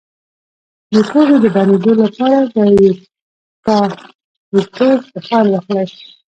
د پوزې د بندیدو لپاره د یوکالیپټوس بخار واخلئ